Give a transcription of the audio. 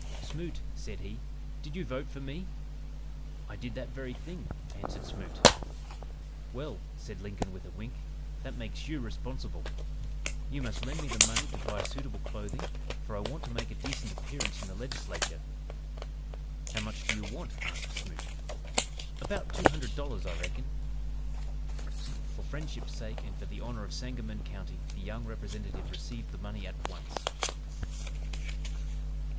"Smoot," said he, "did you vote for me?" "I did that very thing," answered Smoot. "Well," said Lincoln with a wink, "that makes you responsible. You must lend me the money to buy suitable clothing, for I want to make a decent appearance in the Legislature." "How much do you want?" asked Smoot. "About two hundred dollars, I reckon." For friendship's sake and for the honor of Sangamon County the young representative received the money at once.